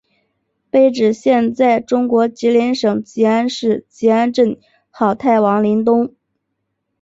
碑址现在中国吉林省集安市集安镇好太王陵东。